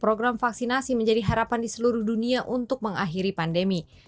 program vaksinasi menjadi harapan di seluruh dunia untuk mengakhiri pandemi